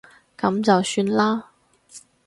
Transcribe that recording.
噉就算啦